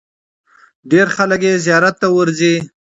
ډېر خلک یې زیارت ته ورځي.